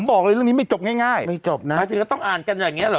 ผมบอกเลยเรื่องนี้ไม่จบง่ายง่ายไม่จบน่ะจริงจริงเราต้องอ่านกันอย่างงี้หรอ